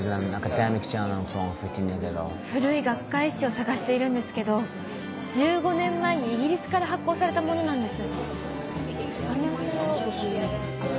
古い学会誌を探しているんですけど１５年前にイギリスから発行されたものなんです。